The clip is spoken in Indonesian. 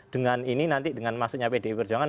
dengan ini nanti dengan masuknya pdi perjuangan